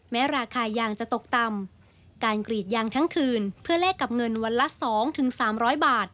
แม้ราคายางจะตกต่ำการกรีดยางทั้งคืนเพื่อแลกกับเงินวันละสองถึงสามร้อยบาท